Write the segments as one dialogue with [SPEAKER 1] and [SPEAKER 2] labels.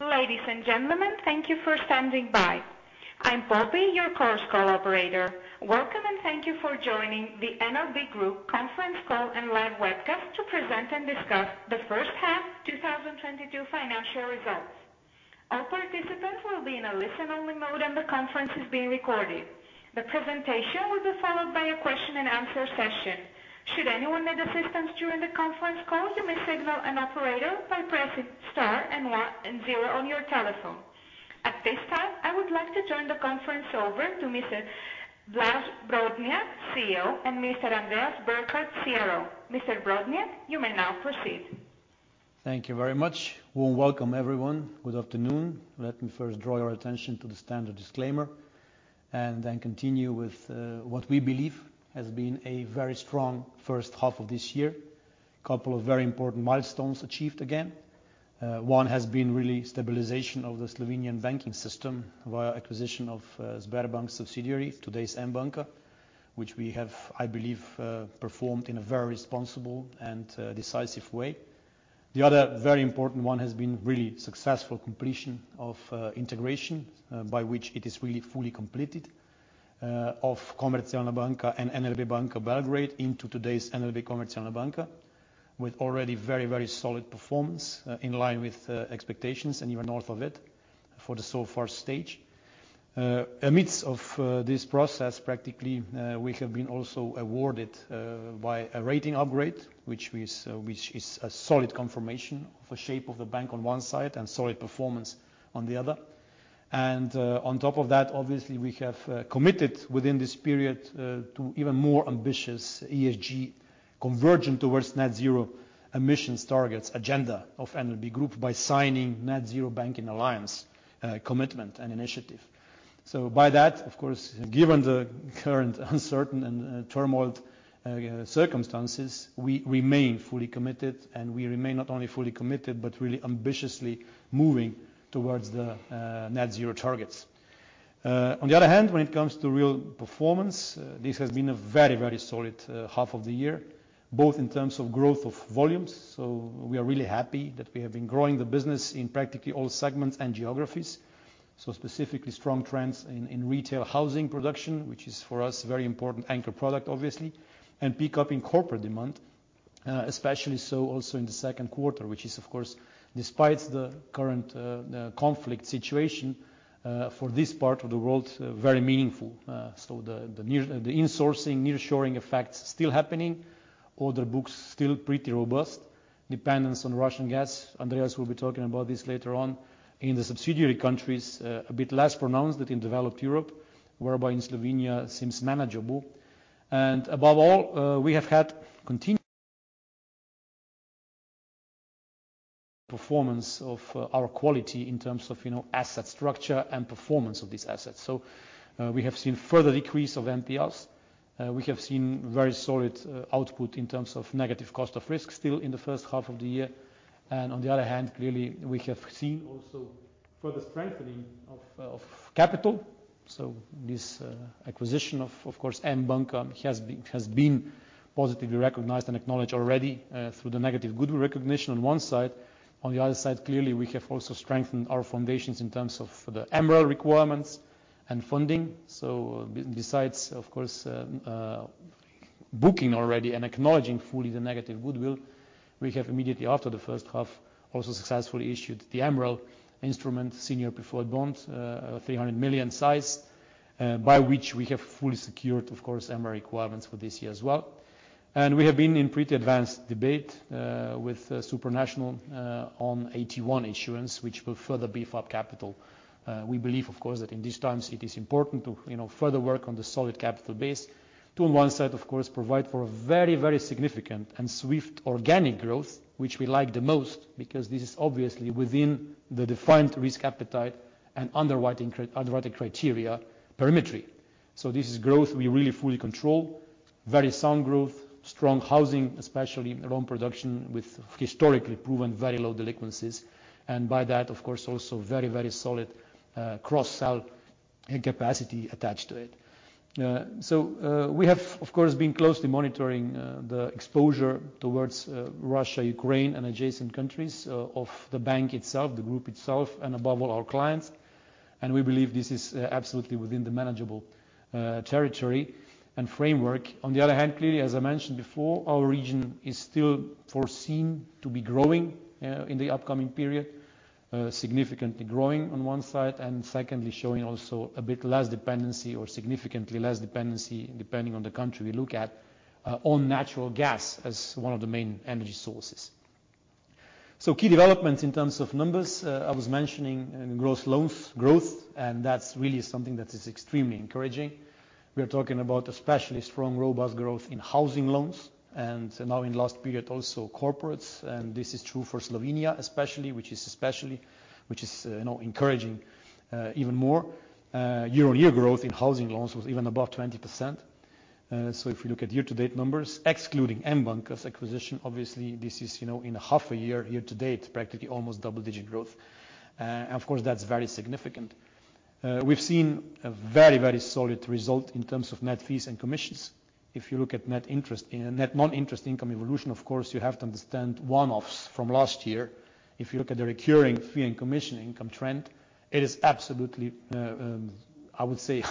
[SPEAKER 1] Ladies and gentlemen, thank you for standing by. I'm Poppy, your course call operator. Welcome, and thank you for joining the NLB Group conference call and live webcast to present and discuss the first half 2022 financial results. All participants will be in a listen-only mode, and the conference is being recorded. The presentation will be followed by a question-and-answer session. Should anyone need assistance during the conference call, you may signal an operator by pressing star and one and zero on your telephone. At this time, I would like to turn the conference over to Mr. Blaž Brodnjak, CEO, and Mr. Andreas Burkhardt, CRO. Mr. Brodnjak, you may now proceed.
[SPEAKER 2] Thank you very much. Warm welcome, everyone. Good afternoon. Let me first draw your attention to the standard disclaimer and then continue with what we believe has been a very strong first half of this year. Couple of very important milestones achieved again. One has been really stabilization of the Slovenian banking system via acquisition of Sberbank subsidiary, today's N Banka, which we have, I believe, performed in a very responsible and decisive way. The other very important one has been really successful completion of integration, by which it is really fully completed, of Komercijalna Banka and NLB Banka Belgrade into today's NLB Komercijalna Banka with already very, very solid performance in line with expectations and even north of it for the so far stage. In the midst of this process, practically, we have been also awarded by a rating upgrade, which is a solid confirmation of a shape of the bank on one side and solid performance on the other. On top of that, obviously we have committed within this period to even more ambitious ESG convergence towards net-zero emissions targets agenda of NLB Group by signing Net-Zero Banking Alliance commitment and initiative. By that, of course, given the current uncertain and turmoil circumstances, we remain fully committed, and we remain not only fully committed but really ambitiously moving towards the net zero targets. On the other hand, when it comes to real performance, this has been a very, very solid half of the year, both in terms of growth of volumes, so we are really happy that we have been growing the business in practically all segments and geographies. Specifically strong trends in retail housing production, which is for us very important anchor product obviously, and pick up in corporate demand, especially so also in the second quarter, which is of course, despite the current conflict situation, for this part of the world, very meaningful. The insourcing, nearshoring effects still happening, order books still pretty robust, dependence on Russian gas, Andreas will be talking about this later on, in the subsidiary countries, a bit less pronounced than in developed Europe, whereby in Slovenia seems manageable. Above all, we have had continued performance of our quality in terms of, you know, asset structure and performance of these assets. We have seen further decrease of NPLs. We have seen very solid output in terms of negative cost of risk still in the first half of the year. On the other hand, clearly, we have seen also further strengthening of capital. This acquisition of course N Banka has been positively recognized and acknowledged already through the negative goodwill recognition on one side. On the other side, clearly, we have also strengthened our foundations in terms of the MREL requirements and funding. Besides, of course, booking already and acknowledging fully the negative goodwill, we have immediately after the first half also successfully issued the MREL instrument senior preferred bond, 300 million size, by which we have fully secured, of course, MREL requirements for this year as well. We have been in pretty advanced debate with Supranational on AT1 issuance, which will further beef up capital. We believe, of course, that in these times it is important to, you know, further work on the solid capital base. To on one side, of course, provide for a very, very significant and swift organic growth, which we like the most, because this is obviously within the defined risk appetite and underwriting criteria perimeter. This is growth we really fully control, very sound growth, strong housing, especially in loan production with historically proven very low delinquencies, and by that, of course, also very, very solid, cross-sell capacity attached to it. We have, of course, been closely monitoring the exposure towards Russia, Ukraine and adjacent countries of the bank itself, the group itself, and above all, our clients, and we believe this is absolutely within the manageable territory and framework. On the other hand, clearly, as I mentioned before, our region is still foreseen to be growing in the upcoming period, significantly growing on one side, and secondly, showing also a bit less dependency or significantly less dependency, depending on the country we look at, on natural gas as one of the main energy sources. Key developments in terms of numbers, I was mentioning in gross loans growth, and that's really something that is extremely encouraging. We are talking about especially strong, robust growth in housing loans and now in last period also corporates, and this is true for Slovenia especially, which is, you know, encouraging even more. Year-on-year growth in housing loans was even above 20%. If you look at year-to-date numbers, excluding N Banka's acquisition, obviously this is, you know, in half a year to date, practically almost double-digit growth. And of course, that's very significant. We've seen a very, very solid result in terms of net fees and commissions. If you look at net non-interest income evolution, of course, you have to understand one-offs from last year. If you look at the recurring fee and commission income trend, it is absolutely I would say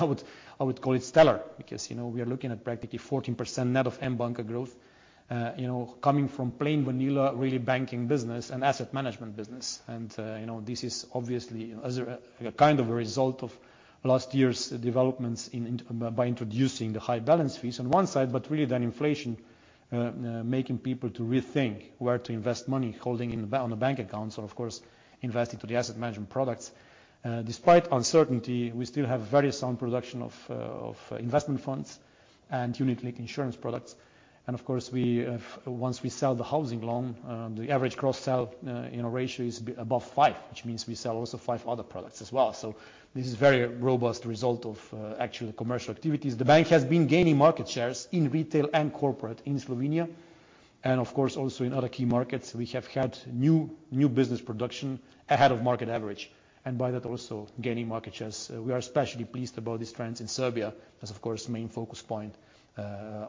[SPEAKER 2] I would call it stellar because, you know, we are looking at practically 14% net of N Banka growth, you know, coming from plain vanilla real banking business and asset management business. This is obviously as a kind of a result of last year's developments by introducing the high balance fees on one side, but really then inflation making people to rethink where to invest money holding on the bank accounts or of course, investing in the asset management products. Despite uncertainty, we still have very sound production of investment funds and unit-linked insurance products. Of course, we have... Once we sell the housing loan, the average cross-sell, you know, ratio is above 5, which means we sell also 5 other products as well. This is very robust result of actual commercial activities. The bank has been gaining market shares in retail and corporate in Slovenia, and of course also in other key markets. We have had new business production ahead of market average and by that also gaining market shares. We are especially pleased about these trends in Serbia as of course main focus point,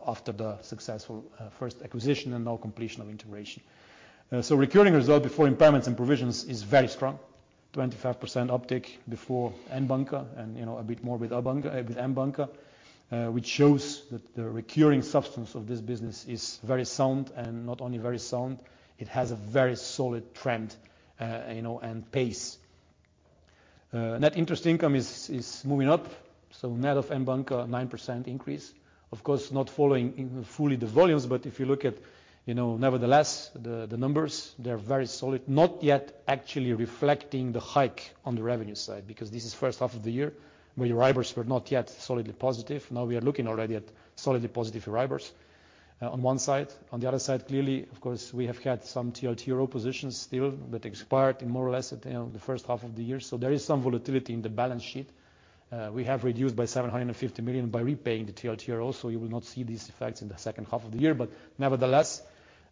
[SPEAKER 2] after the successful first acquisition and now completion of integration. Recurring result before impairments and provisions is very strong, 25% uptick before N Banka and, you know, a bit more with Abanka, with N Banka, which shows that the recurring substance of this business is very sound and not only very sound, it has a very solid trend, you know, and pace. Net interest income is moving up, so net of N Banka, 9% increase. Of course, not following in fully the volumes, but if you look at, you know, nevertheless, the numbers, they're very solid. Not yet actually reflecting the hike on the revenue side, because this is first half of the year where Euribors were not yet solidly positive. Now we are looking already at solidly positive Euribors, on one side. On the other side, clearly, of course, we have had some TLTRO positions still that expired in more or less at, you know, the first half of the year, so there is some volatility in the balance sheet. We have reduced by 750 million by repaying the TLTRO, so you will not see these effects in the second half of the year. Nevertheless,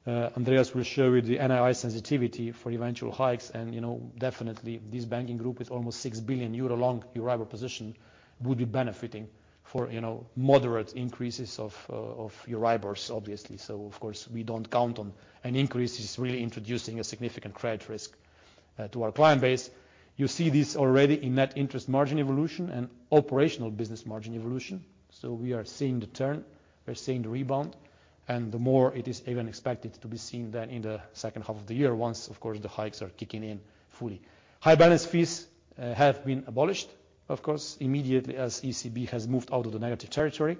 [SPEAKER 2] Andreas will show you the NII sensitivity for eventual hikes. You know, definitely this banking group is almost 6 billion euro long Euribor position would be benefiting for, you know, moderate increases of Euribors, obviously. Of course, we don't count on an increase is really introducing a significant credit risk to our client base. You see this already in net interest margin evolution and operational business margin evolution. We are seeing the turn, we are seeing the rebound, and the more it is even expected to be seen than in the second half of the year once, of course, the hikes are kicking in fully. High balance fees have been abolished, of course, immediately as ECB has moved out of the negative territory,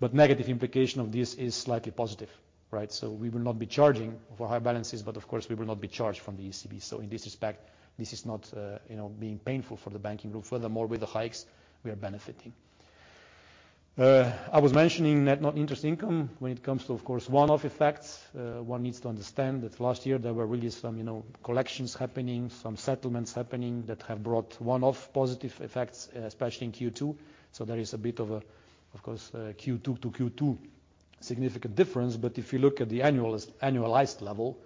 [SPEAKER 2] but negative implication of this is slightly positive, right? We will not be charging for high balances, but of course, we will not be charged from the ECB. In this respect, this is not, you know, being painful for the banking group. Furthermore, with the hikes, we are benefiting. I was mentioning net non-interest income when it comes to, of course, one-off effects. One needs to understand that last year there were really some, you know, collections happening, some settlements happening that have brought one-off positive effects, especially in Q2. There is a bit of a, of course, Q2 to Q2 significant difference, but if you look at the annualized level,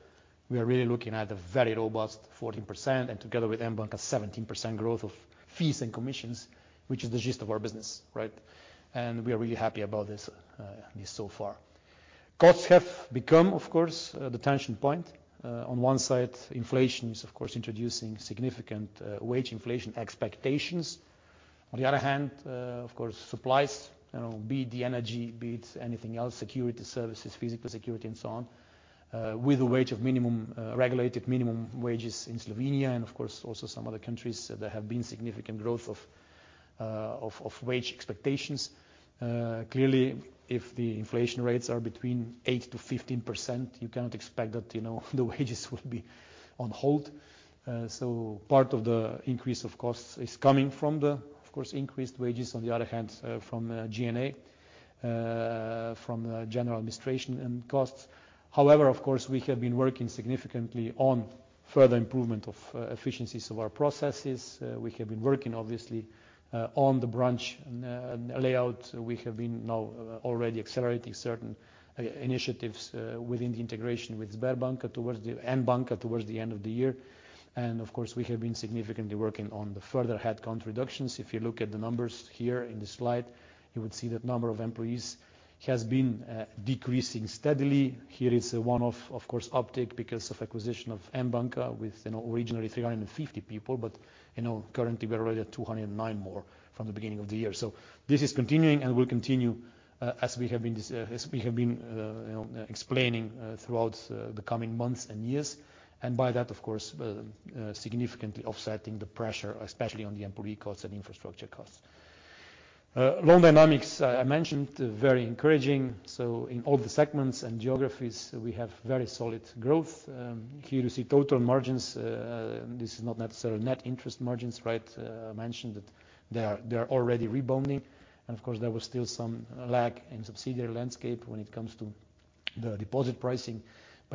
[SPEAKER 2] we are really looking at a very robust 14% and together with N Banka, 17% growth of fees and commissions, which is the gist of our business, right? We are really happy about this so far. Costs have become, of course, the tension point. On one side, inflation is of course introducing significant wage inflation expectations. On the other hand, of course, supplies, you know, be it the energy, be it anything else, security services, physical security, and so on, with the wage and minimum regulated minimum wages in Slovenia and of course, also some other countries, there have been significant growth of wage expectations. Clearly, if the inflation rates are between 8%-15%, you cannot expect that, you know, the wages will be on hold. So part of the increase of costs is coming from the, of course, increased wages on the other hand, from G&A, from the general administration and costs. However, of course, we have been working significantly on further improvement of efficiencies of our processes. We have been working obviously on the branch layout. We have been now already accelerating certain initiatives within the integration with Sberbank towards the N Banka towards the end of the year. Of course, we have been significantly working on the further headcount reductions. If you look at the numbers here in the slide, you would see that number of employees has been decreasing steadily. Here is a one-off, of course, uptick because of acquisition of N Banka with, you know, originally 350 people. You know, currently we are already at 209 more from the beginning of the year. This is continuing and will continue as we have been, you know, explaining throughout the coming months and years. By that, of course, significantly offsetting the pressure, especially on the employee costs and infrastructure costs. Loan dynamics, I mentioned, very encouraging. In all the segments and geographies, we have very solid growth. Here you see total margins. This is not necessarily net interest margins, right? I mentioned that they are already rebounding. Of course, there was still some lack in subsidiary landscape when it comes to the deposit pricing.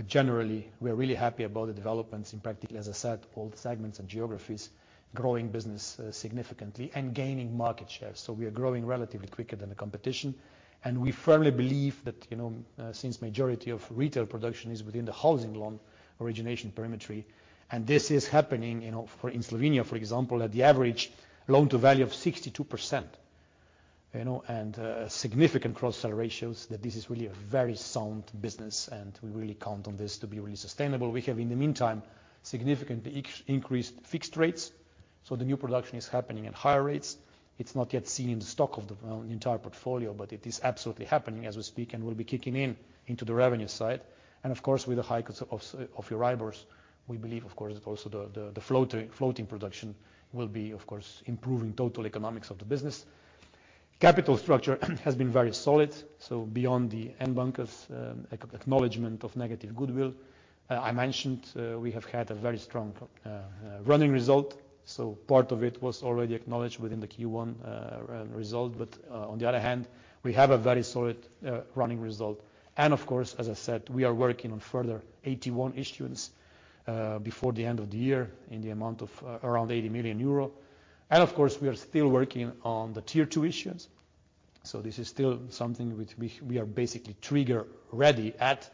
[SPEAKER 2] Generally, we are really happy about the developments in practically, as I said, all the segments and geographies, growing business significantly and gaining market share. We are growing relatively quicker than the competition, and we firmly believe that, you know, since majority of retail production is within the housing loan origination perimeter, and this is happening, you know, for in Slovenia, for example, at the average loan to value of 62%. You know, and significant cross-sell ratios that this is really a very sound business, and we really count on this to be really sustainable. We have, in the meantime, significantly increased fixed rates, so the new production is happening at higher rates. It's not yet seen in the stock of the, well, entire portfolio, but it is absolutely happening as we speak and will be kicking in into the revenue side. With the high cost of Euribors, we believe, of course, also the floating production will be, of course, improving total economics of the business. Capital structure has been very solid, so beyond the N Banka's acknowledgment of negative goodwill, I mentioned, we have had a very strong recurring result, so part of it was already acknowledged within the Q1 result. On the other hand, we have a very solid recurring result. As I said, we are working on further AT1 issuance before the end of the year in the amount of around 80 million euro. We are still working on the Tier 2 issuance, so this is still something which we are basically trigger ready at.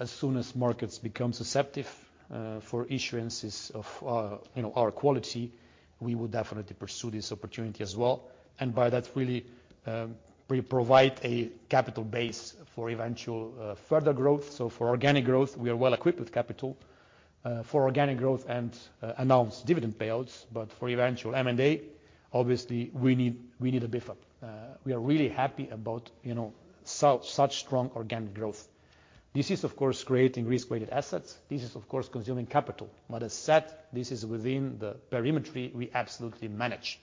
[SPEAKER 2] As soon as markets become susceptible for issuances of you know our quality, we will definitely pursue this opportunity as well. By that really we provide a capital base for eventual further growth. For organic growth, we are well equipped with capital for organic growth and announced dividend payouts. For eventual M&A, obviously, we need a beef up. We are really happy about you know such strong organic growth. This is of course creating risk-weighted assets. This is of course consuming capital. As said, this is within the parameters we absolutely manage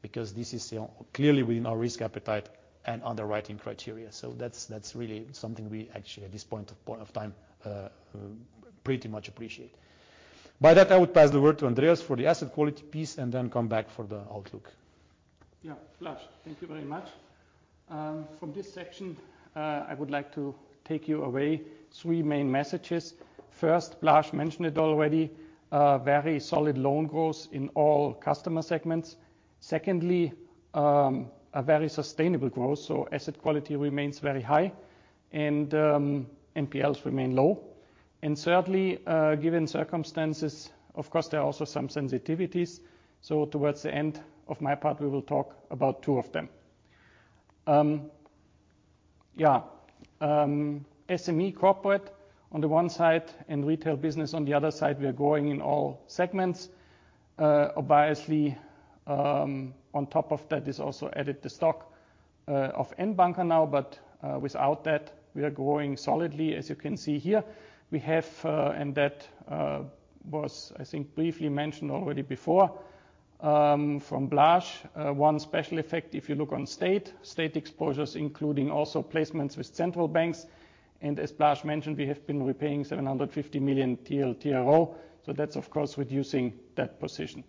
[SPEAKER 2] because this is you know clearly within our risk appetite and underwriting criteria. That's really something we actually at this point of time pretty much appreciate. By that, I would pass the word to Andreas for the asset quality piece and then come back for the outlook.
[SPEAKER 3] Yeah. Blaž, thank you very much. From this section, I would like to take you away three main messages. First, Blaž mentioned it already, a very solid loan growth in all customer segments. Secondly, a very sustainable growth, so asset quality remains very high and, NPLs remain low. Thirdly, given circumstances, of course, there are also some sensitivities, so towards the end of my part, we will talk about two of them. Yeah. SME corporate on the one side and retail business on the other side, we are growing in all segments. Obviously, on top of that is also added the stock of N Banka now, but, without that, we are growing solidly, as you can see here. We have, and that was, I think, briefly mentioned already before from Blaž, one special effect. If you look on state exposures, including also placements with central banks. As Blaž mentioned, we have been repaying 750 million TLTRO, so that's of course reducing that position.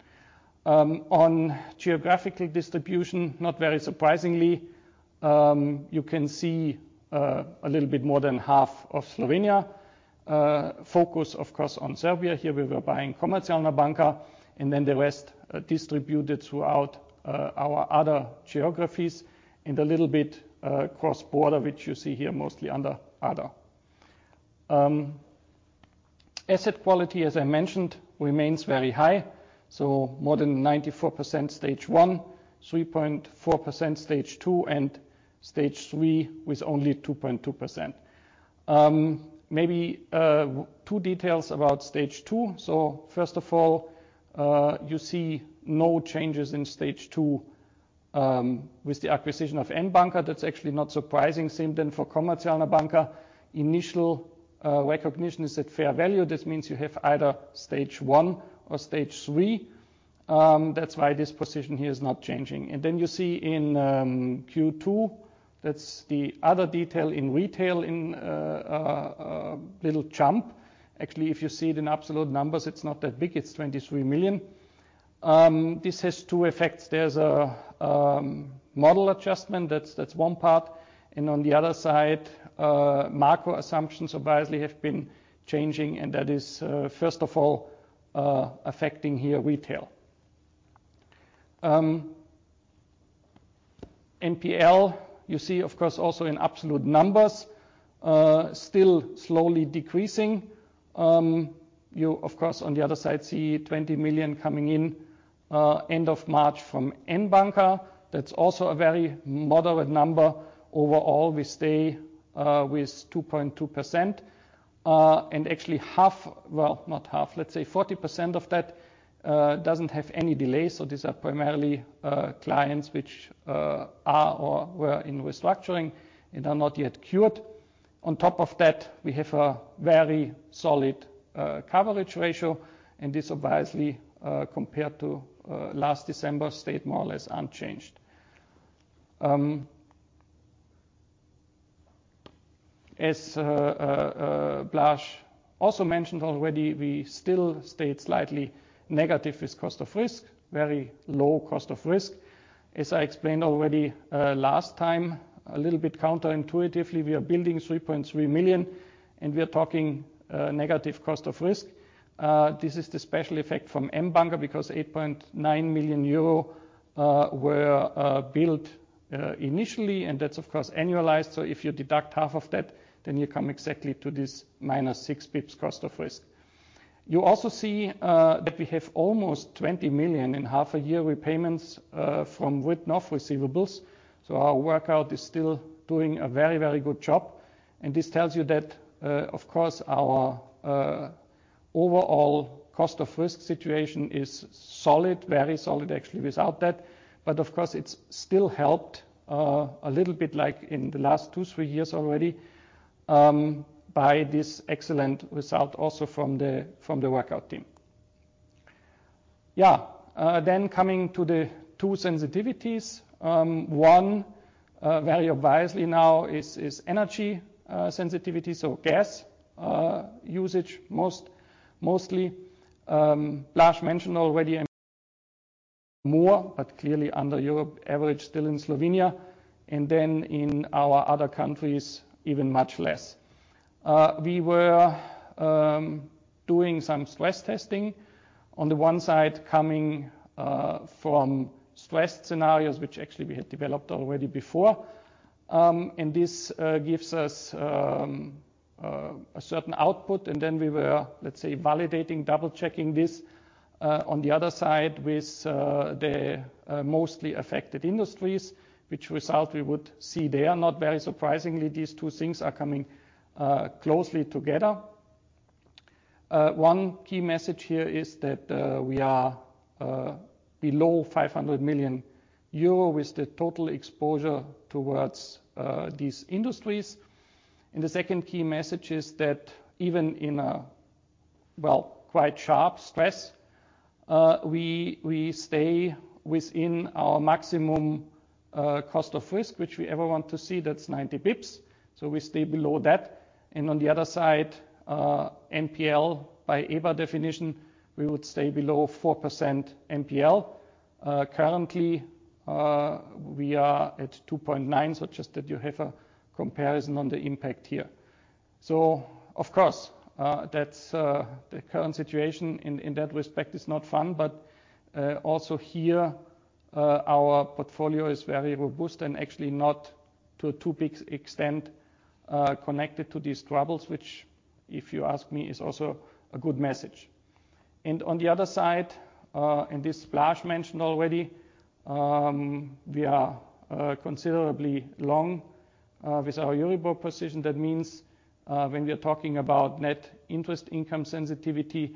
[SPEAKER 3] On geographical distribution, not very surprisingly, you can see a little bit more than half of Slovenia, focus of course on Serbia. Here, we were buying Komercijalna Banka, and then the rest distributed throughout our other geographies and a little bit cross-border, which you see here mostly under other. Asset quality, as I mentioned, remains very high, so more than 94% Stage 1, 3.4% Stage 2, and Stage 3 with only 2.2%. Maybe two details about Stage 2. First of all, you see no changes in Stage 2, with the acquisition of N Banka. That's actually not surprising. Same then for Komercijalna Banka. Initial recognition is at fair value. This means you have either Stage 1 or Stage 3. That's why this position here is not changing. You see in Q2, that's the other detail in retail in a little jump. Actually, if you see it in absolute numbers, it's not that big. It's 23 million. This has two effects. There's a model adjustment. That's one part. And on the other side, macro assumptions obviously have been changing, and that is first of all affecting here retail. NPL, you see of course also in absolute numbers, still slowly decreasing. You of course on the other side see 20 million coming in, end of March from N Banka. That's also a very moderate number. Overall, we stay with 2.2%. Actually, let's say 40% of that doesn't have any delay, so these are primarily clients which are or were in restructuring and are not yet cured. On top of that, we have a very solid coverage ratio, and this obviously, compared to last December, stayed more or less unchanged. As Blaž also mentioned already, we still stayed slightly negative with cost of risk, very low cost of risk. As I explained already last time, a little bit counterintuitively, we are building 3.3 million, and we are talking negative cost of risk. This is the special effect from N Banka because 8.9 million euro were billed initially, and that's of course annualized. If you deduct half of that, then you come exactly to this -6 bps cost of risk. You also see that we have almost 20 million in half a year repayments from written-off receivables. Our workout is still doing a very, very good job. This tells you that of course our overall cost of risk situation is solid, very solid actually without that. Of course, it's still helped a little bit like in the last two, three years already by this excellent result also from the workout team. Coming to the two sensitivities. One very obviously now is energy sensitivity, so gas usage mostly. Blaž mentioned already income, but clearly under European average still in Slovenia. In our other countries, even much less. We were doing some stress testing on the one side coming from stress scenarios, which actually we had developed already before. This gives us a certain output. We were, let's say, validating, double-checking this on the other side with the mostly affected industries, what result we would see there. Not very surprisingly, these two things are coming closely together. One key message here is that we are below 500 million euro with the total exposure towards these industries. The second key message is that even in a well, quite sharp stress, we stay within our maximum cost of risk, which we ever want to see. That's 90 bps, so we stay below that. On the other side, NPL by EBA definition, we would stay below 4% NPL. Currently, we are at 2.9%, so just that you have a comparison on the impact here. Of course, that's the current situation in that respect is not fun. Also here, our portfolio is very robust and actually not to a too big extent connected to these troubles, which, if you ask me, is also a good message. On the other side, and this Blaž mentioned already, we are considerably long with our Euribor position. That means, when we are talking about net interest income sensitivity,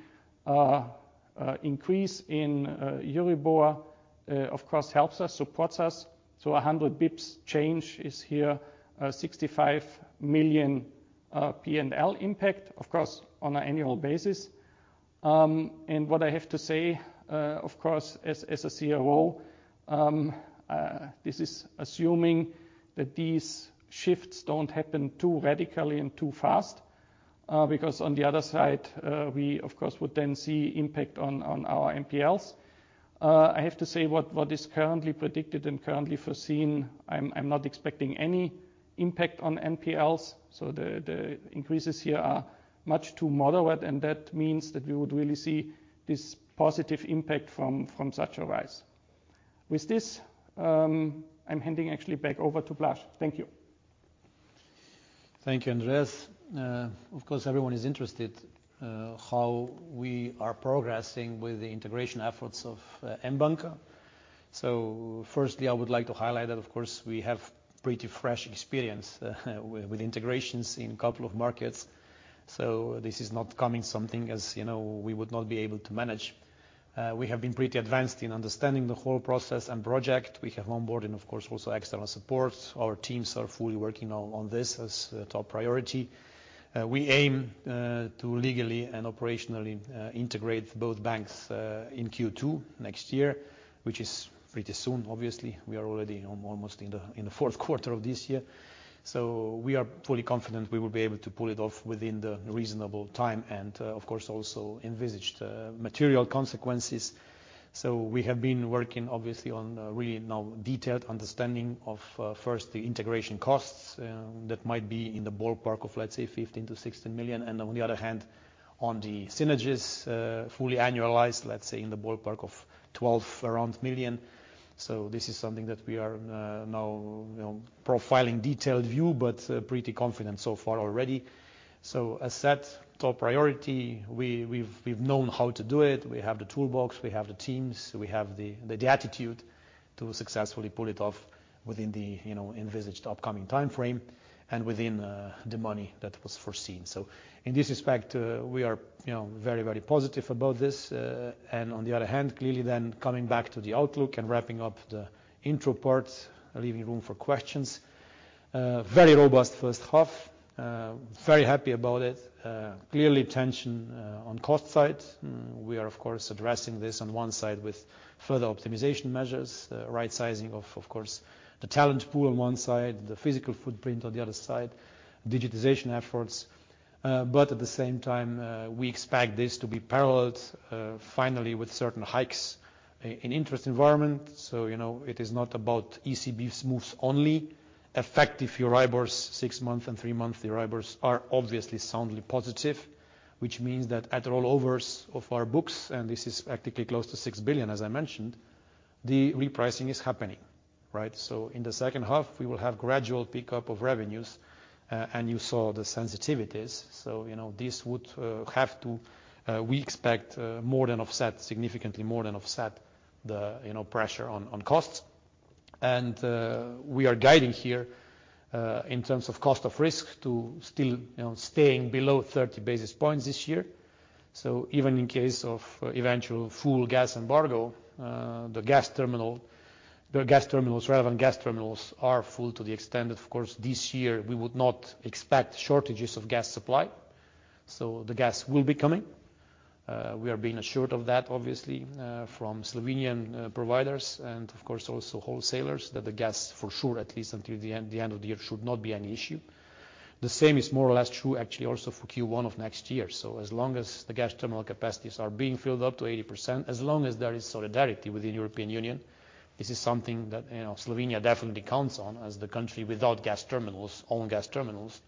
[SPEAKER 3] increase in Euribor, of course, helps us, supports us to a 100 pips change is here, 65 million P&L impact, of course, on an annual basis. What I have to say, of course, as a COO, this is assuming that these shifts don't happen too radically and too fast, because on the other side, we of course would then see impact on our NPLs. I have to say what is currently predicted and currently foreseen, I'm not expecting any impact on NPLs, so the increases here are much too moderate, and that means that we would really see this positive impact from such a rise. With this, I'm handing actually back over to Blaž. Thank you.
[SPEAKER 2] Thank you, Andreas. Of course, everyone is interested how we are progressing with the integration efforts of N Banka. Firstly, I would like to highlight that of course we have pretty fresh experience with integrations in a couple of markets. This is not something as, you know, we would not be able to manage. We have been pretty advanced in understanding the whole process and project. We have onboarded, of course, also external support. Our teams are fully working on this as a top priority. We aim to legally and operationally integrate both banks in Q2 next year, which is pretty soon, obviously. We are already, you know, almost in the fourth quarter of this year. We are fully confident we will be able to pull it off within the reasonable time and, of course, also envisaged material consequences. We have been working obviously on a really detailed understanding of first the integration costs that might be in the ballpark of, let's say, 15 million-16 million. On the other hand, on the synergies, fully annualized, let's say, in the ballpark of around 12 million. This is something that we are now, you know, providing detailed view, but pretty confident so far already. As said, top priority, we've known how to do it. We have the toolbox, we have the teams, we have the attitude to successfully pull it off within the, you know, envisaged upcoming timeframe and within the money that was foreseen. In this respect, we are, you know, very, very positive about this. On the other hand, clearly then coming back to the outlook and wrapping up the intro part, leaving room for questions. Very robust first half. Very happy about it. Clearly tension on cost side. We are of course addressing this on one side with further optimization measures, right-sizing of course the talent pool on one side, the physical footprint on the other side, digitization efforts. But at the same time, we expect this to be paralleled finally with certain hikes in interest environment. You know, it is not about ECB's moves only. Effective Euribors, six-month and three-month Euribors, are obviously soundly positive, which means that at rollovers of our books, and this is practically close to 6 billion, as I mentioned. The repricing is happening, right? In the second half, we will have gradual pickup of revenues, and you saw the sensitivities. You know, this would have to, we expect, more than offset, significantly more than offset the, you know, pressure on costs. We are guiding here, in terms of cost of risk to still, you know, staying below 30 basis points this year. Even in case of eventual full gas embargo, the gas terminal. The gas terminals, relevant gas terminals are full to the extent that, of course, this year we would not expect shortages of gas supply. The gas will be coming. We are being assured of that obviously from Slovenian providers and of course also wholesalers that the gas for sure, at least until the end of the year, should not be an issue. The same is more or less true actually also for Q1 of next year. As long as the gas terminal capacities are being filled up to 80%, as long as there is solidarity within European Union, this is something that, you know, Slovenia definitely counts on as the country without gas terminals, own gas terminals.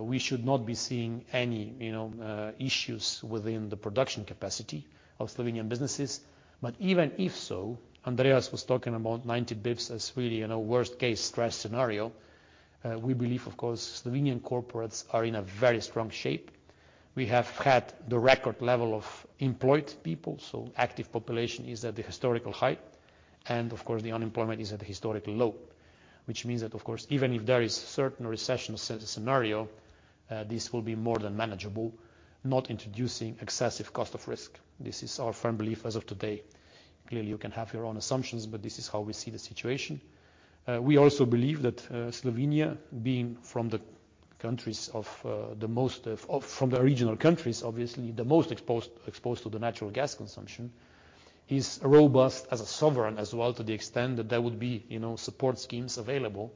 [SPEAKER 2] We should not be seeing any, you know, issues within the production capacity of Slovenian businesses. Even if so, Andreas was talking about 90 bps as really in a worst case stress scenario. We believe, of course, Slovenian corporates are in a very strong shape. We have had the record level of employed people, so active population is at the historical high. Of course the unemployment is at a historical low, which means that of course, even if there is certain recession scenario, this will be more than manageable, not introducing excessive cost of risk. This is our firm belief as of today. Clearly, you can have your own assumptions, but this is how we see the situation. We also believe that, Slovenia being from the regional countries, obviously the most exposed to the natural gas consumption, is robust as a sovereign as well to the extent that there would be, you know, support schemes available.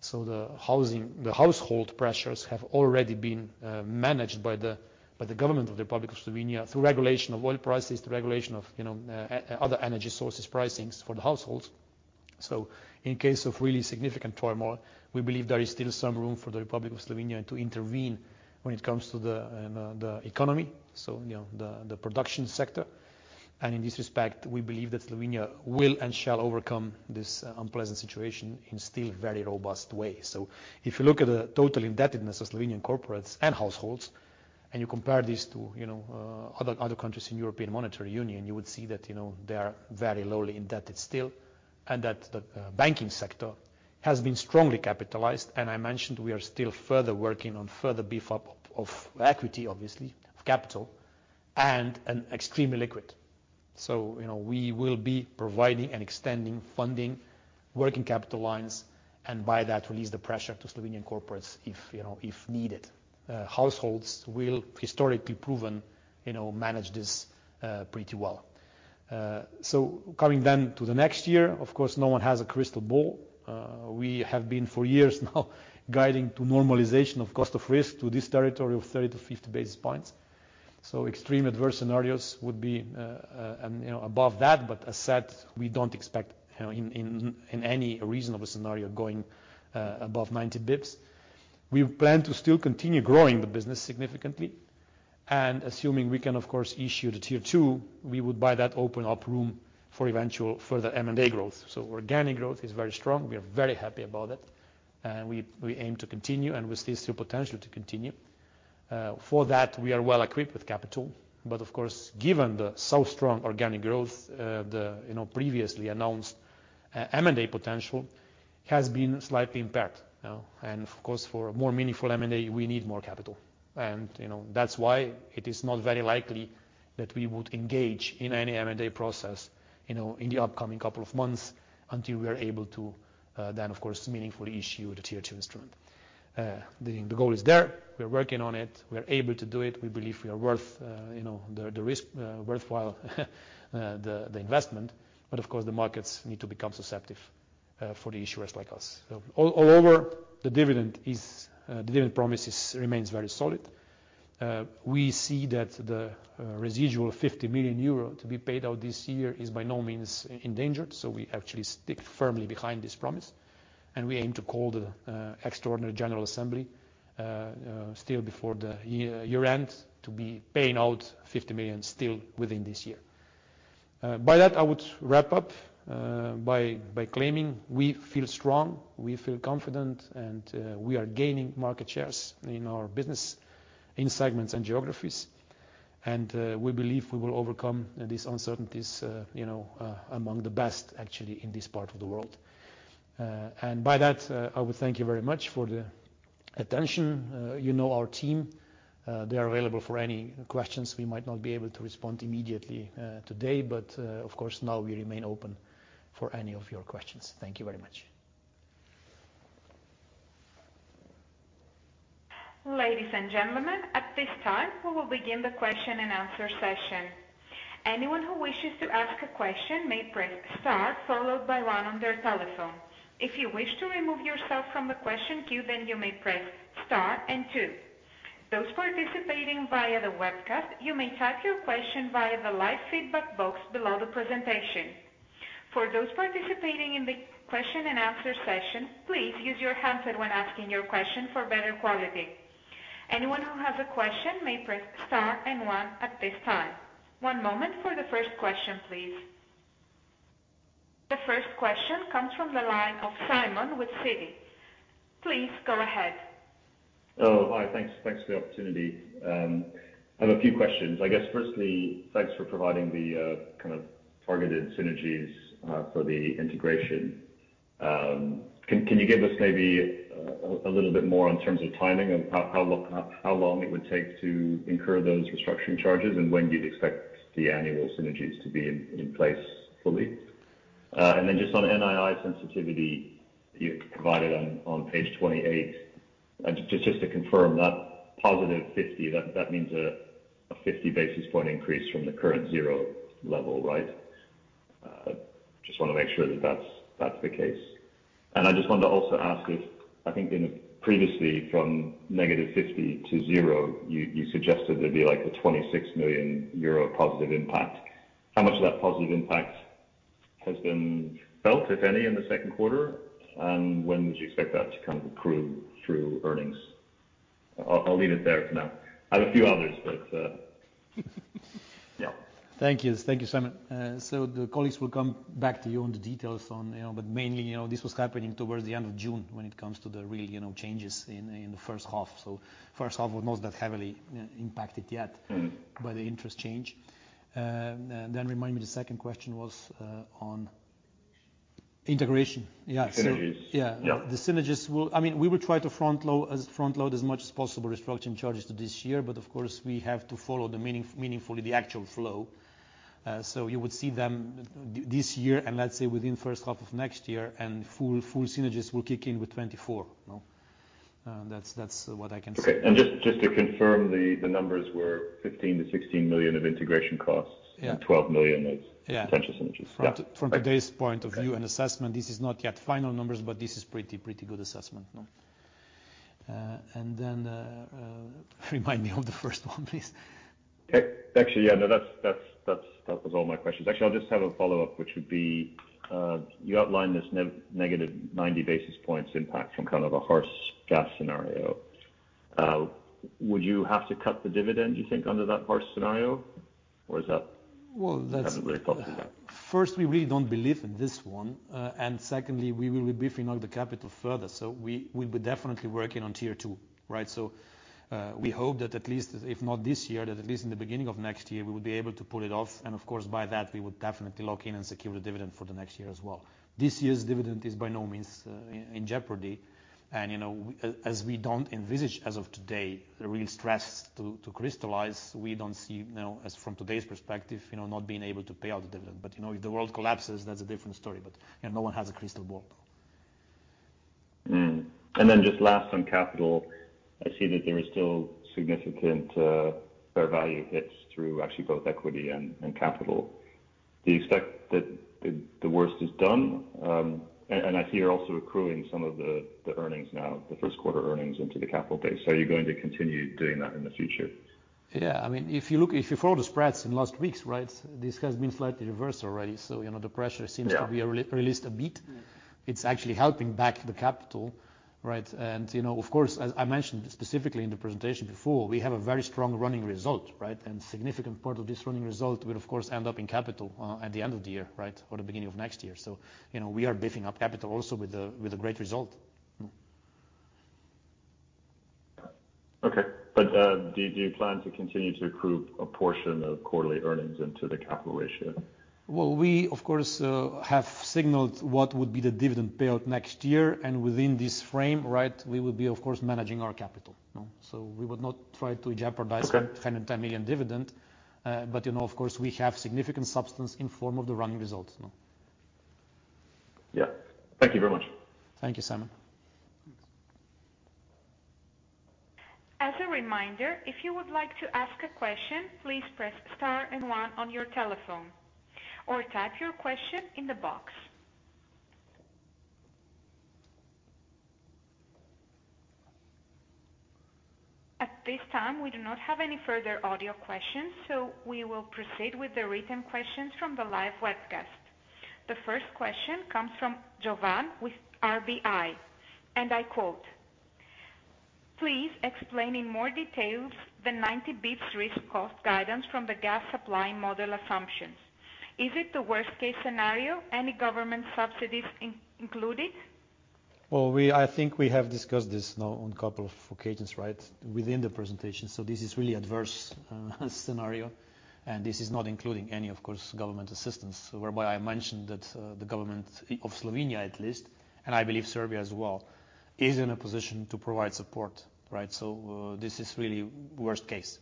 [SPEAKER 2] The housing. The household pressures have already been managed by the government of the Republic of Slovenia through regulation of oil prices, through regulation of other energy sources pricings for the households. In case of really significant turmoil, we believe there is still some room for the Republic of Slovenia to intervene when it comes to the economy, the production sector. In this respect, we believe that Slovenia will and shall overcome this unpleasant situation in still very robust way. If you look at the total indebtedness of Slovenian corporates and households, and you compare this to other countries in European Monetary Union, you would see that they are very lowly indebted still, and that the banking sector has been strongly capitalized. I mentioned we are still working on beef up of equity, obviously, of capital and extremely liquid. We will be providing and extending funding working capital lines, and by that release the pressure to Slovenian corporates if needed. Households will historically proven manage this pretty well. Coming to the next year, of course, no one has a crystal ball. We have been for years now guiding to normalization of cost of risk to this territory of 30-50 basis points. Extreme adverse scenarios would be above that, but as said, we don't expect in any reasonable scenario going above 90 bps. We plan to still continue growing the business significantly and assuming we can of course issue the Tier 2, we would by that open up room for eventual further M&A growth. Organic growth is very strong. We are very happy about it, and we aim to continue and we see still potential to continue. For that, we are well equipped with capital, but of course, given the so strong organic growth, the, you know, previously announced, M&A potential has been slightly impacted, you know. Of course, for a more meaningful M&A, we need more capital. You know, that's why it is not very likely that we would engage in any M&A process, you know, in the upcoming couple of months until we are able to, then of course, meaningfully issue the Tier 2 instrument. The goal is there. We're working on it. We're able to do it. We believe we are worth, you know, the risk, worthwhile, the investment. Of course, the markets need to become susceptible for the issuers like us. Overall, the dividend promise remains very solid. We see that the residual 50 million euro to be paid out this year is by no means endangered, so we actually stick firmly behind this promise, and we aim to call the extraordinary general assembly still before the year-end to be paying out 50 million still within this year. By that I would wrap up by claiming we feel strong, we feel confident, and we are gaining market shares in our business in segments and geographies. We believe we will overcome these uncertainties, you know, among the best actually in this part of the world. By that, I would thank you very much for the attention. You know our team, they are available for any questions. We might not be able to respond immediately, today, but, of course, now we remain open for any of your questions. Thank you very much.
[SPEAKER 1] Ladies and gentlemen, at this time, we will begin the question and answer session. Anyone who wishes to ask a question may press star followed by one on their telephone. If you wish to remove yourself from the question queue, then you may press star and two. Those participating via the webcast, you may type your question via the live feedback box below the presentation. For those participating in the question and answer session, please use your handset when asking your question for better quality. Anyone who has a question may press star and one at this time. One moment for the first question, please. The first question comes from the line of Simon with Citi. Please go ahead.
[SPEAKER 4] Oh, hi. Thanks. Thanks for the opportunity. I have a few questions. I guess, firstly, thanks for providing the kind of targeted synergies for the integration. Can you give us maybe a little bit more in terms of timing and how long it would take to incur those restructuring charges and when do you expect the annual synergies to be in place fully? Just on NII sensitivity you provided on page 28. Just to confirm that +50, that means a 50 basis point increase from the current 0 level, right? Just wanna make sure that that's the case. I just wanted to also ask if I think in previously from -50 to 0, you suggested there'd be like a 26 million euro positive impact. How much of that positive impact has been felt, if any, in the second quarter? When would you expect that to come through earnings? I'll leave it there for now. I have a few others, but yeah.
[SPEAKER 2] Thank you. Thank you, Simon. The colleagues will come back to you on the details on, you know, but mainly, you know, this was happening towards the end of June when it comes to the real, you know, changes in the first half. First half was not that heavily impacted yet.
[SPEAKER 4] Mm-hmm.
[SPEAKER 2] By the interest change. Then remind me the second question was on integration. Yeah.
[SPEAKER 4] Synergies.
[SPEAKER 2] Yeah.
[SPEAKER 4] Yeah.
[SPEAKER 2] The synergies will, I mean, we will try to front load as much as possible restructuring charges to this year, but of course, we have to follow meaningfully the actual flow. You would see them this year and let's say within first half of next year and full synergies will kick in with 2024, you know. That's what I can say.
[SPEAKER 4] Okay. Just to confirm, the numbers were 15 million - 16 million of integration costs.
[SPEAKER 2] Yeah.
[SPEAKER 4] 12 million of
[SPEAKER 2] Yeah.
[SPEAKER 4] Potential synergies. Yeah.
[SPEAKER 2] Today's point of view and assessment, this is not yet final numbers, but this is pretty good assessment, you know. Remind me of the first one, please.
[SPEAKER 4] Actually, yeah. No, that was all my questions. Actually, I'll just have a follow-up, which would be, you outlined this -90 basis points impact from kind of a harsh gas scenario. Would you have to cut the dividend, do you think, under that harsh scenario? Or is that-
[SPEAKER 2] Well, that's.
[SPEAKER 4] Kind of very confident.
[SPEAKER 2] First, we really don't believe in this one. Secondly, we will be beefing up the capital further. We'll be definitely working on Tier 2, right? We hope that at least if not this year, that at least in the beginning of next year, we will be able to pull it off. Of course, by that, we would definitely lock in and secure the dividend for the next year as well. This year's dividend is by no means in jeopardy. You know, as we don't envisage as of today, the real stress to crystallize, we don't see, you know, as from today's perspective, you know, not being able to pay out the dividend. You know, if the world collapses, that's a different story. You know, no one has a crystal ball.
[SPEAKER 4] Just last, on capital, I see that there is still significant fair value hits through actually both equity and capital. Do you expect that the worst is done? I see you're also accruing some of the earnings now, the first quarter earnings into the capital base. Are you going to continue doing that in the future?
[SPEAKER 2] Yeah. I mean, if you follow the spreads in last weeks, right, this has been slightly reversed already. You know, the pressure seems.
[SPEAKER 4] Yeah.
[SPEAKER 2] To be released a bit. It's actually helping back the capital, right? You know, of course, as I mentioned specifically in the presentation before, we have a very strong running result, right? A significant part of this running result will of course end up in capital at the end of the year, right? Or the beginning of next year. You know, we are beefing up capital also with a great result.
[SPEAKER 4] Do you plan to continue to accrue a portion of quarterly earnings into the capital ratio?
[SPEAKER 2] Well, we of course have signaled what would be the dividend payout next year and within this frame, right, we will be of course managing our capital. No? We would not try to jeopardize.
[SPEAKER 4] Okay.
[SPEAKER 2] 10 and 10 million dividend. You know, of course, we have significant substance in form of the running results. No?
[SPEAKER 4] Yeah. Thank you very much.
[SPEAKER 2] Thank you, Simon.
[SPEAKER 1] As a reminder, if you would like to ask a question, please press star and one on your telephone or type your question in the box. At this time, we do not have any further audio questions, so we will proceed with the written questions from the live webcast. The first question comes from Jovan with RBI, and I quote, "Please explain in more details the 90 bps risk cost guidance from the gas supply model assumptions. Is it the worst case scenario? Any government subsidies included?
[SPEAKER 2] I think we have discussed this now on a couple of occasions, right? Within the presentation. This is really adverse scenario, and this is not including any, of course, government assistance. Whereby I mentioned that, the government of Slovenia at least, and I believe Serbia as well, is in a position to provide support, right? This is really worst case.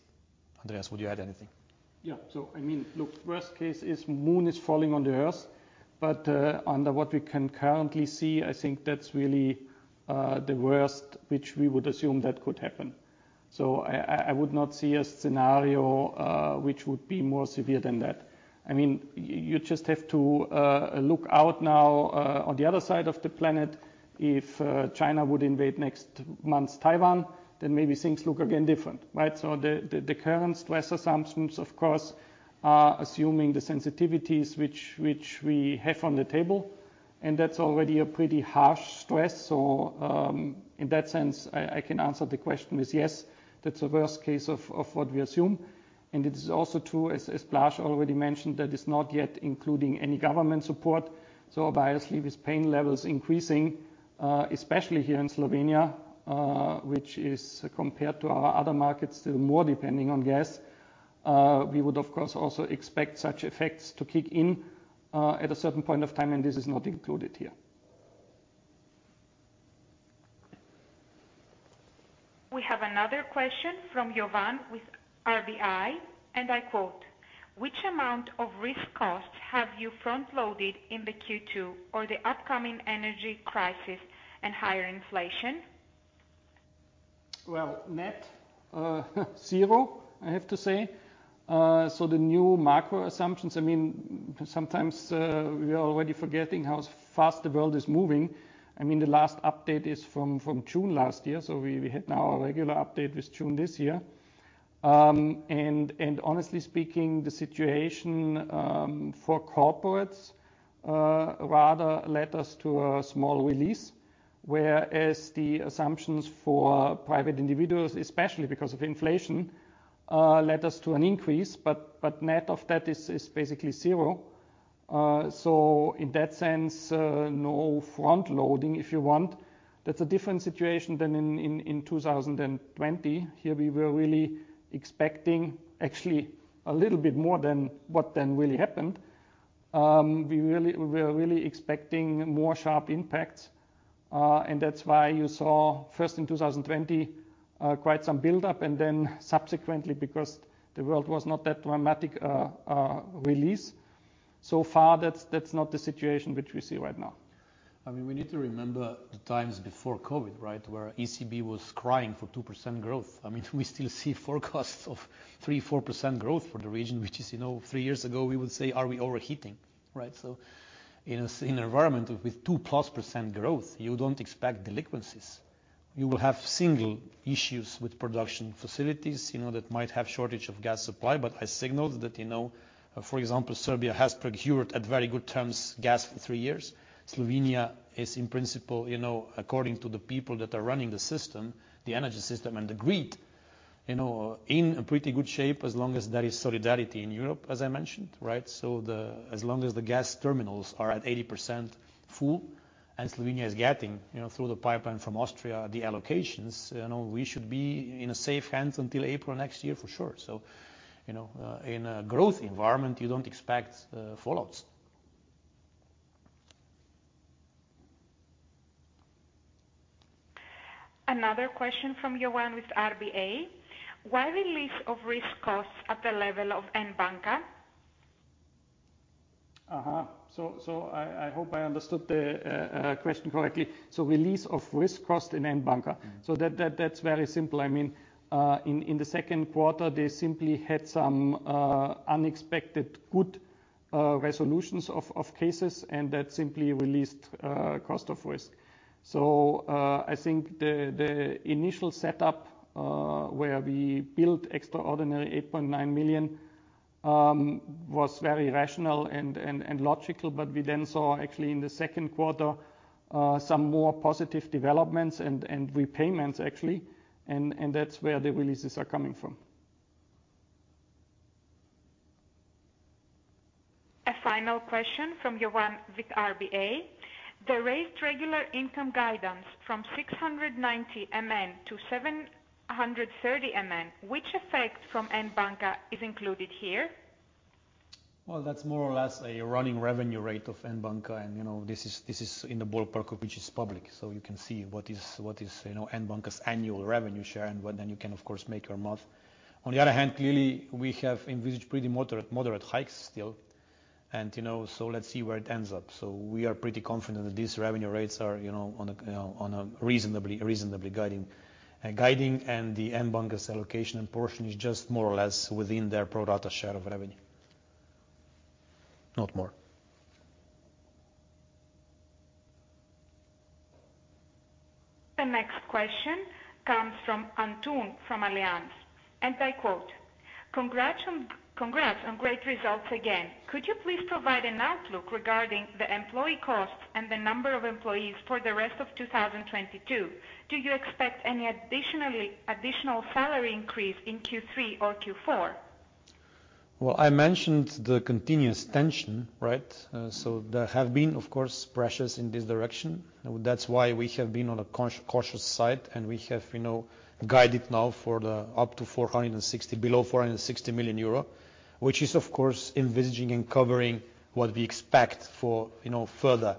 [SPEAKER 2] Andreas, would you add anything?
[SPEAKER 3] I mean, look, worst case is moon is falling on the Earth. Under what we can currently see, I think that's really the worst which we would assume that could happen. I would not see a scenario which would be more severe than that. I mean, you just have to look out now on the other side of the planet, if China would invade next month Taiwan, then maybe things look again different, right? The current stress assumptions of course are assuming the sensitivities which we have on the table. That's already a pretty harsh stress. In that sense, I can answer the question with yes, that's the worst case of what we assume. It is also true, as Blaž already mentioned, that it's not yet including any government support. Obviously with pain levels increasing, especially here in Slovenia, which is compared to our other markets still more depending on gas, we would of course also expect such effects to kick in at a certain point of time, and this is not included here.
[SPEAKER 1] We have another question from Jovan with RBI, and I quote, "What amount of risk costs have you front-loaded in the Q2 or the upcoming energy crisis and higher inflation?
[SPEAKER 3] Well, net zero, I have to say. The new macro assumptions, I mean, sometimes we are already forgetting how fast the world is moving. I mean, the last update is from June last year, so we had now a regular update with June this year. Honestly speaking, the situation for corporates rather led us to a small release, whereas the assumptions for private individuals, especially because of inflation, led us to an increase, but net of that is basically zero. In that sense, no front-loading if you want. That's a different situation than in 2020. Here we were really expecting actually a little bit more than what then really happened. We were really expecting more sharp impacts, and that's why you saw first in 2020 quite some buildup and then subsequently because the world was not that dramatic, release. So far, that's not the situation which we see right now.
[SPEAKER 2] I mean, we need to remember the times before COVID, right? Where ECB was crying for 2% growth. I mean, we still see forecasts of 3%-4% growth for the region, which is, you know, three years ago, we would say, "Are we overheating?" Right? In an environment with 2+% growth, you don't expect delinquencies. You will have single issues with production facilities, you know, that might have shortage of gas supply. But I signaled that, you know, for example, Serbia has procured at very good terms gas for three years. Slovenia is in principle, you know, according to the people that are running the system, the energy system and the grid, you know, in a pretty good shape as long as there is solidarity in Europe, as I mentioned, right? So the As long as the gas terminals are at 80% full and Slovenia is getting, you know, through the pipeline from Austria, the allocations, you know, we should be in safe hands until April next year for sure. You know, in a growth environment, you don't expect fallouts.
[SPEAKER 1] Another question from Jovan with RBI. Why release of risk costs at the level of N Banka?
[SPEAKER 3] I hope I understood the question correctly. Release of cost of risk in N Banka.
[SPEAKER 2] Mm-hmm.
[SPEAKER 3] That's very simple. I mean, in the second quarter, they simply had some unexpected good resolutions of cases, and that simply released cost of risk. I think the initial setup where we built extraordinary 8.9 million was very rational and logical, but we then saw actually in the second quarter some more positive developments and repayments actually, and that's where the releases are coming from.
[SPEAKER 1] A final question from Jovan with RBI. The raised recurring income guidance from 690 million to 730 million, what effect from N Banka is included here?
[SPEAKER 2] Well, that's more or less a running revenue rate of N Banka and, you know, this is in the ballpark of which is public. You can see what is, you know, N Banka's annual revenue share and what then you can of course make your math. On the other hand, clearly we have envisaged pretty moderate hikes still and, you know, let's see where it ends up. We are pretty confident that these revenue rates are, you know, on a, you know, on a reasonably guiding and the N Banka's allocation and portion is just more or less within their pro rata share of revenue. Not more.
[SPEAKER 1] The next question comes from Anton from Allianz, and I quote, "Congrats on great results again. Could you please provide an outlook regarding the employee costs and the number of employees for the rest of 2022? Do you expect any additional salary increase in Q3 or Q4?
[SPEAKER 2] Well, I mentioned the continuous tension, right? There have been, of course, pressures in this direction. That's why we have been on a cautious side, and we have, you know, guided now for below 460 million euro, which is of course envisaging and covering what we expect for, you know, further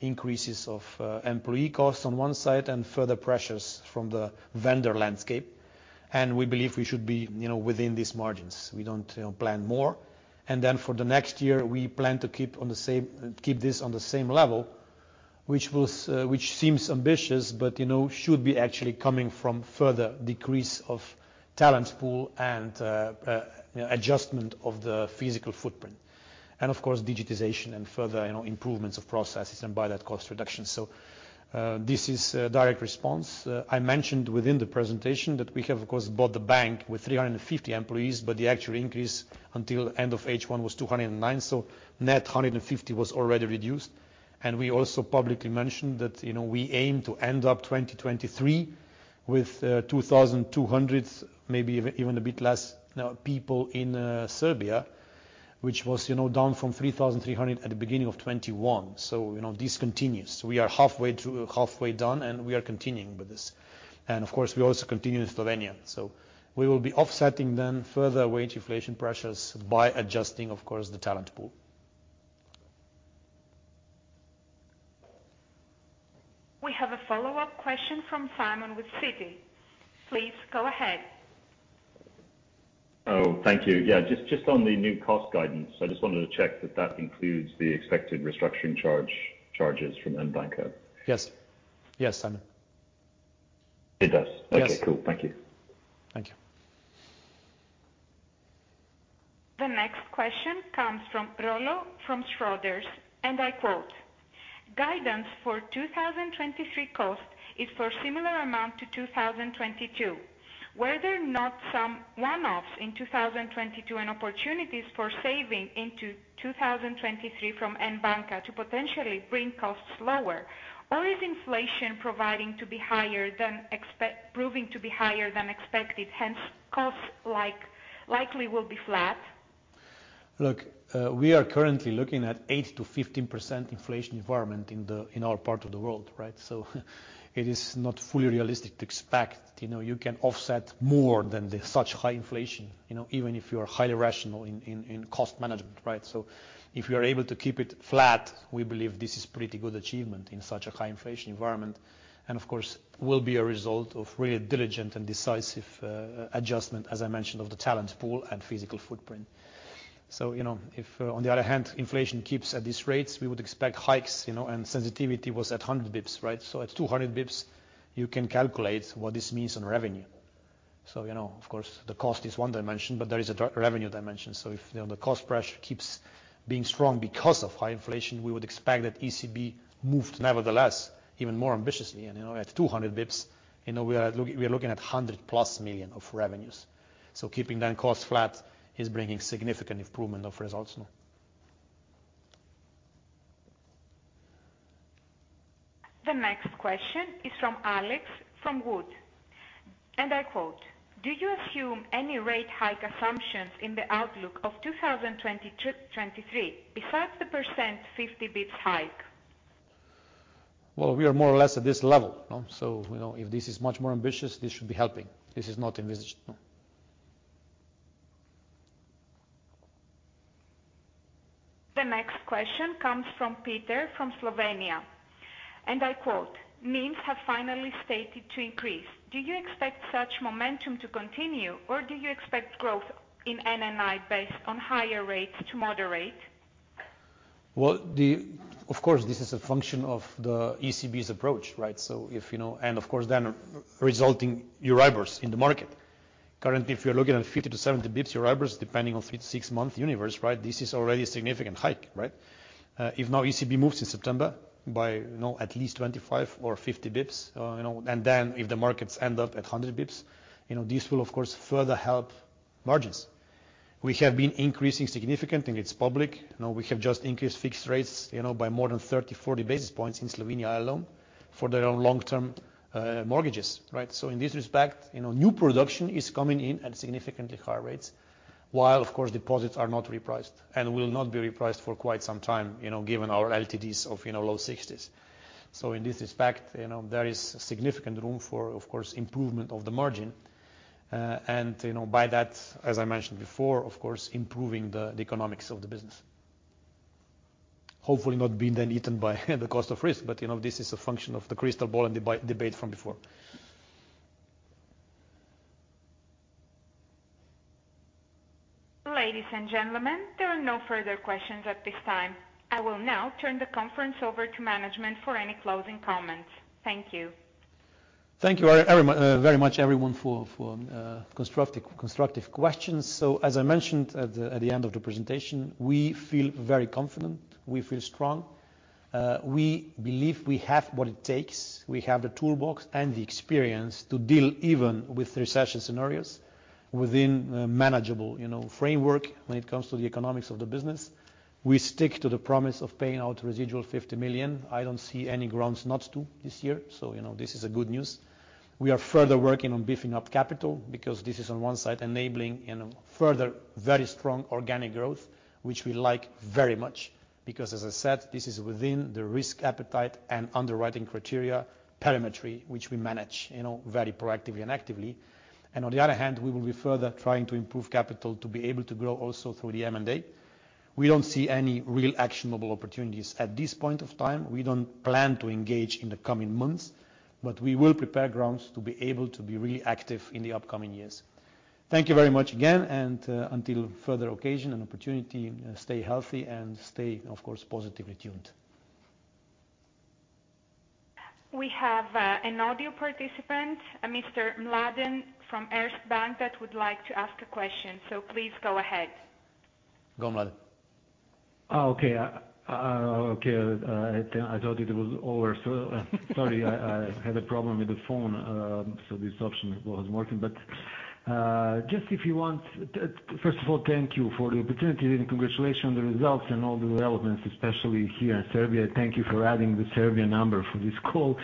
[SPEAKER 2] increases of employee costs on one side and further pressures from the vendor landscape. We believe we should be, you know, within these margins. We don't, you know, plan more. Then for the next year, we plan to keep this on the same level, which seems ambitious, but you know, should be actually coming from further decrease of talent pool and, you know, adjustment of the physical footprint. Of course, digitization and further, you know, improvements of processes and by that cost reduction. This is a direct response. I mentioned within the presentation that we have, of course, bought the bank with 350 employees, but the actual increase until end of H1 was 209, so net 150 was already reduced. We also publicly mentioned that, you know, we aim to end up 2023 with 2,200, maybe even a bit less now people in Serbia, which was, you know, down from 3,300 at the beginning of 2021. You know, this continues. We are halfway done, and we are continuing with this. Of course, we also continue in Slovenia. We will be offsetting then further wage inflation pressures by adjusting, of course, the talent pool.
[SPEAKER 1] We have a follow-up question from Simon with Citi. Please go ahead.
[SPEAKER 4] Oh, thank you. Yeah, just on the new cost guidance. I just wanted to check that that includes the expected restructuring charge, charges from N Banka?
[SPEAKER 2] Yes. Yes, Simon.
[SPEAKER 4] It does.
[SPEAKER 2] Yes.
[SPEAKER 4] Okay, cool. Thank you.
[SPEAKER 2] Thank you.
[SPEAKER 1] The next question comes from Rollo from Schroders. I quote, "Guidance for 2023 cost is for similar amount to 2022. Were there not some one-offs in 2022 and opportunities for saving into 2023 from N Banka to potentially bring costs lower? Or is inflation proving to be higher than expected, hence costs likely will be flat?
[SPEAKER 2] Look, we are currently looking at 8%-15% inflation environment in our part of the world, right? It is not fully realistic to expect, you know, you can offset more than the such high inflation, you know, even if you are highly rational in cost management, right? If you are able to keep it flat, we believe this is pretty good achievement in such a high inflation environment. Of course, will be a result of really diligent and decisive adjustment, as I mentioned, of the talent pool and physical footprint. You know, if, on the other hand, inflation keeps at these rates, we would expect hikes, you know, and sensitivity was at 100 bps, right? At 200 bps, you can calculate what this means on revenue. You know, of course the cost is one dimension, but there is a net-revenue dimension. If, you know, the cost pressure keeps being strong because of high inflation, we would expect that ECB moved nevertheless even more ambitiously. You know, at 200 bps, you know, we are looking at 100+ million of revenues. Keeping that cost flat is bringing significant improvement of results now.
[SPEAKER 1] The next question is from Alex from Wood & Company. I quote, "Do you assume any rate hike assumptions in the outlook of 2023 besides the 50 bps hike?
[SPEAKER 2] Well, we are more or less at this level. You know, if this is much more ambitious, this should be helping. This is not envisaged, no.
[SPEAKER 1] The next question comes from Peter from Slovenia. I quote, "Margins have finally started to increase. Do you expect such momentum to continue, or do you expect growth in NNI based on higher rates to moderate?
[SPEAKER 2] Of course, this is a function of the ECB's approach, right? The resulting Euribors in the market. Currently, if you're looking at 50-70 bps Euribors, depending on six-month universe, right? This is already a significant hike, right? If the ECB now moves in September by at least 25 or 50 bps, you know, and then if the markets end up at 100 bps you know, this will of course further help margins. We have been increasing significantly, and it's public. You know, we have just increased fixed rates, you know, by more than 30-40 bps in Slovenia alone for their own long-term mortgages, right? In this respect, you know, new production is coming in at significantly higher rates, while of course deposits are not repriced and will not be repriced for quite some time, you know, given our LTDs of, you know, low 60s. In this respect, you know, there is significant room for, of course, improvement of the margin. And you know, by that, as I mentioned before, of course, improving the economics of the business. Hopefully not being then eaten by the cost of risk, but you know, this is a function of the crystal ball and debate from before.
[SPEAKER 1] Ladies and gentlemen, there are no further questions at this time. I will now turn the conference over to management for any closing comments. Thank you.
[SPEAKER 2] Thank you very much everyone for constructive questions. As I mentioned at the end of the presentation, we feel very confident. We feel strong. We believe we have what it takes. We have the toolbox and the experience to deal even with recession scenarios within a manageable, you know, framework when it comes to the economics of the business. We stick to the promise of paying out residual 50 million. I don't see any grounds not to this year, you know, this is good news. We are further working on beefing up capital because this is on one side enabling in a further very strong organic growth, which we like very much because as I said, this is within the risk appetite and underwriting criteria parameter which we manage, you know, very proactively and actively. On the other hand, we will be further trying to improve capital to be able to grow also through the M&A. We don't see any real actionable opportunities at this point of time. We don't plan to engage in the coming months, but we will prepare grounds to be able to be really active in the upcoming years. Thank you very much again, and until further occasion and opportunity, stay healthy and stay, of course, positively tuned.
[SPEAKER 1] We have an audio participant, a Mr. Mladen from Erste Bank that would like to ask a question. Please go ahead.
[SPEAKER 2] Go, Mladen.
[SPEAKER 5] Oh, okay. Okay. I thought it was over. Sorry, I had a problem with the phone, so this option was working. Just if you want. First of all, thank you for the opportunity and congratulations on the results and all the developments, especially here in Serbia. Thank you for adding the Serbia number for this call.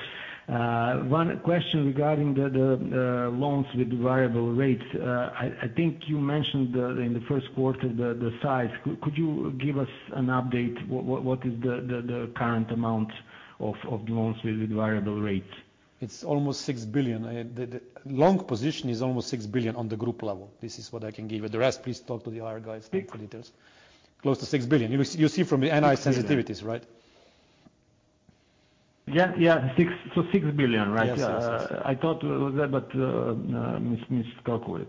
[SPEAKER 5] One question regarding the loans with variable rates. I think you mentioned in the first quarter the size. Could you give us an update what is the current amount of loans with variable rates?
[SPEAKER 2] It's almost 6 billion. The long position is almost 6 billion on the group level. This is what I can give you. The rest, please talk to the IR guys for details.
[SPEAKER 5] Six?
[SPEAKER 2] Close to 6 billion. You see from the NII sensitivities, right?
[SPEAKER 5] Yeah, yeah. 6. 6 billion, right?
[SPEAKER 2] Yes, yes.
[SPEAKER 5] I thought it was that, but miscalculated.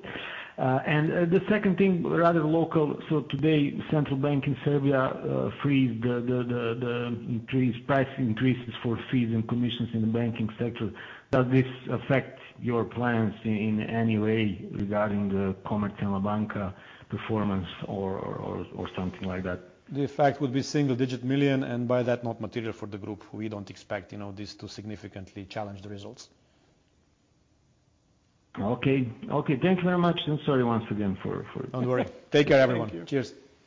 [SPEAKER 5] The second thing, rather local. Today, central bank in Serbia freed the price increases for fees and commissions in the banking sector. Does this affect your plans in any way regarding the Komercijalna Banka performance or something like that?
[SPEAKER 2] The effect would be single-digit million EUR, and by that not material for the group. We don't expect, you know, this to significantly challenge the results.
[SPEAKER 5] Okay, thank you very much, and sorry once again.
[SPEAKER 2] Don't worry. Take care, everyone.
[SPEAKER 3] Thank you.
[SPEAKER 2] Cheers.